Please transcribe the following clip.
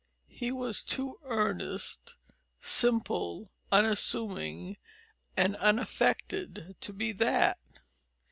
He was too earnest, simple, unassuming, and unaffected to be that.